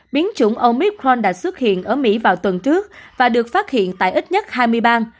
biến chủng omid pron đã xuất hiện ở mỹ vào tuần trước và được phát hiện tại ít nhất hai mươi bang